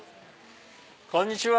こんにちは。